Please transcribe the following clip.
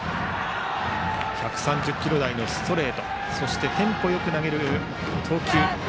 １３０キロ台のストレートそしてテンポよく投げる投球。